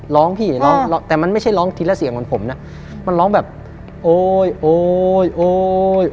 ร้องพี่ร้องแต่มันไม่ใช่ร้องทีละเสียงเหมือนผมนะมันร้องแบบโอ๊ยโอ๊ยโอ๊ย